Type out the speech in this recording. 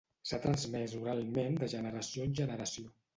s'ha transmès oralment de generació en generació